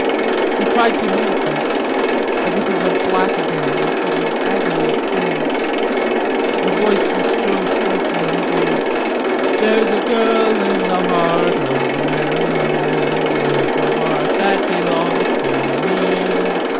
He tried to move them; everything went black again in a sudden agony of pain. The voice was still shrieking in his ears: "There's a girl in the heart of Maryland With a heart that belongs to me e."